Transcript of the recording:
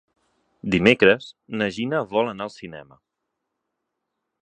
Dimecres na Gina vol anar al cinema.